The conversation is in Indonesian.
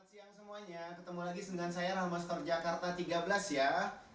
selamat siang semuanya ketemu lagi dengan saya romo store jakarta tiga belas ya